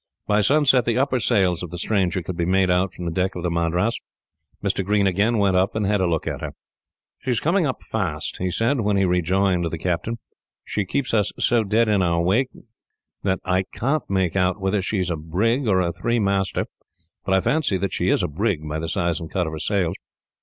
By sunset, the upper sails of the stranger could be made out from the deck of the Madras. Mr. Green again went up, and had a look at her. "She is coming up fast," he said, when he rejoined the captain. "She keeps so dead in our wake that I can't make out whether she is a brig or a three master; but I fancy that she is a brig, by the size and cut of her sails.